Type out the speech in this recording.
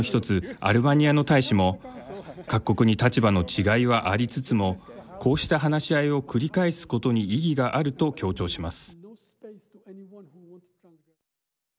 アルバニアの大使も各国に立場の違いはありつつもこうした話し合いを繰り返すことに意義があると強調します。